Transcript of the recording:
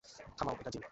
থামাও এটা, জিন।